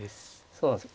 そうなんです